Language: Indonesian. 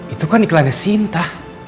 itu kan iklannya sinta